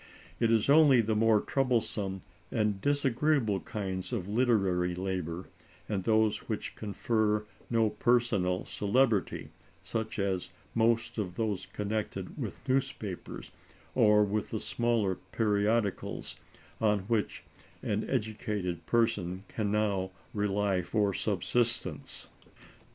It is only the more troublesome and disagreeable kinds of literary labor, and those which confer no personal celebrity, such as most of those connected with newspapers, or with the smaller periodicals, on which an educated person can now rely for subsistence.